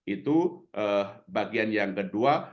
itu bagian yang kedua